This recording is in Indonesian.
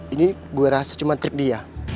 ini gue rasa cuma trik dia